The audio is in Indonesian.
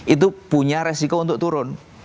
itu punya resiko untuk turun